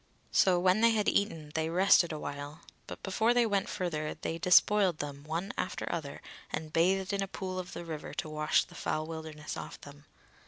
So when they had eaten, they rested awhile, but before they went further they despoiled them, one after other, and bathed in a pool of the river to wash the foul wilderness off them.